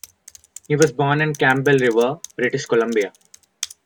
He was born in Campbell River, British Columbia.